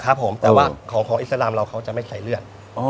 ครับผมแต่ว่าของอิสลามเราเขาจะไม่ใส่เลือด